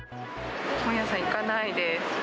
本屋さん、行かないです。